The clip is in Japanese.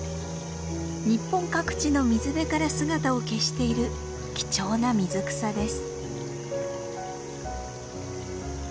日本各地の水辺から姿を消している貴重な水草です。